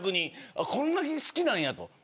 こんだけ、好きなんやと。